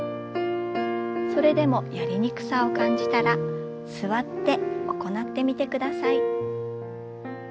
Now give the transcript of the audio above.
それでもやりにくさを感じたら座って行ってみてください。